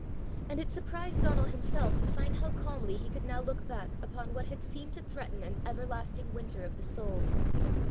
And it surprised Donal himself to find how calmly he could now look back upon what had seemed to threaten an everlasting winter of the soul.